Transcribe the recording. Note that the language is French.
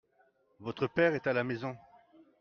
Votre père est à la maison ?